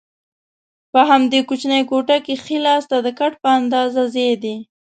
په همدې کوچنۍ کوټه کې ښي لاسته د کټ په اندازه ځای دی.